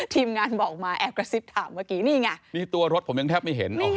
ทีมงานบอกมาแอบกระซิบถามเมื่อกี้นี่ไงนี่ตัวรถผมยังแทบไม่เห็น